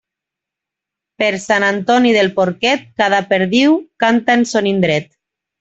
Per Sant Antoni del porquet, cada perdiu canta en son indret.